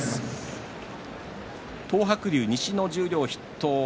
東白龍、西の十両筆頭。